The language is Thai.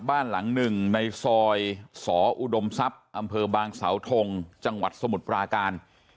บ้านหลังหนึ่งในซอยสออุดมทรัพย์อำเภอบางสาวทงจังหวัดสมุทรปราการ